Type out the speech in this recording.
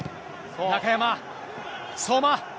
中山、相馬。